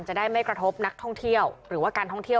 จะได้ไม่กระทบนักท่องเที่ยวหรือว่าการท่องเที่ยว